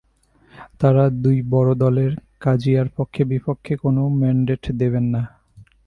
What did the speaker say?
তারা দুই বড় দলের কাজিয়ার পক্ষে বিপক্ষে কোনো ম্যান্ডেট দেবেন না।